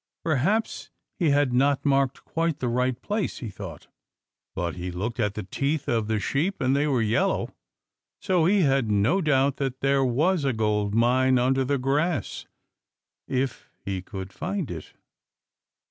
Perhaps he had not marked quite the right place, he thought. But he looked at the teeth of the sheep, and they were yellow; so he had no doubt that there was a gold mine under the grass, if he could find it.